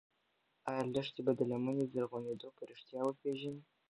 ایا لښتې به د لمنې زرغونېدل په رښتیا وپېژني؟